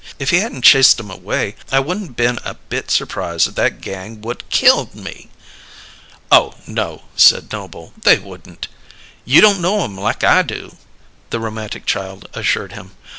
If you hadn't chased 'em away, I wouldn't been a bit surprised if that gang would killed me!" "Oh, no!" said Noble. "They wouldn't " "You don't know 'em like I do," the romantic child assured him.